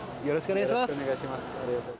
よろしくお願いします